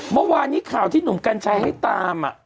เมื่อวานนี้ข่าวที่หนุ่มกัญชัยให้ตาม